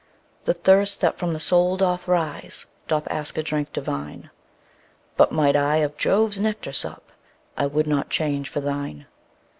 The thirst that from the soul doth rise, Doth ask a drink divine: But might I of Jove's nectar sup, I would not change for thine.